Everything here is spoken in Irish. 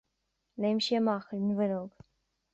Léim sé amach ar an bhfuinneog.